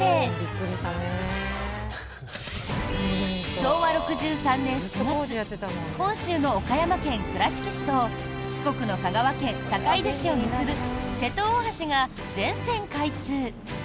昭和６３年４月本州の岡山県倉敷市と四国の香川県坂出市を結ぶ瀬戸大橋が全線開通。